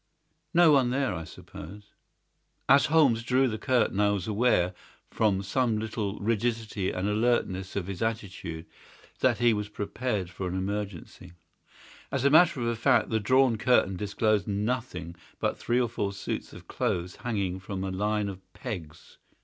No one there, I suppose?" As Holmes drew the curtain I was aware, from some little rigidity and alertness of his attitude, that he was prepared for an emergency. As a matter of fact the drawn curtain disclosed nothing but three or four suits of clothes hanging from a line of pegs.